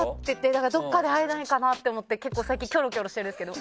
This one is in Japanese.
だからどっかで会えないかなって最近キョロキョロしてるんですけど。